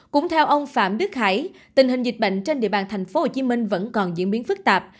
cũng theo ông phạm đức hải tình hình dịch bệnh trên địa bàn thành phố hồ chí minh vẫn còn diễn biến phức tạp